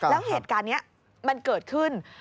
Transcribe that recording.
แล้วเหตุการณ์นี้มันเกิดขึ้น